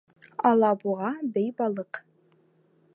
Алабуға бей балыҡ